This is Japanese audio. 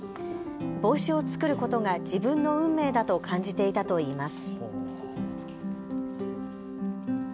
帽子を作ることが自分の運命だと感じていたといいます。